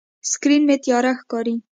سکرین مې تیاره ښکاري.